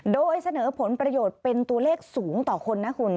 โดยเสนอผลประโยชน์เป็นตัวเลขสูงต่อคนนะคุณ